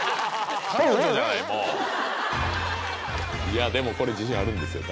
いやでもこれ自信あるんですよ